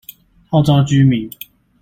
號召居民